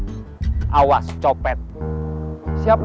ada tulisan di bawahnya dengan huruf helvetica bold